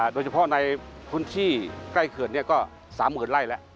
โดยเฉพาะในพื้นที่ใกล้เขื่อนก็๓๐๐๐ไร่แล้ว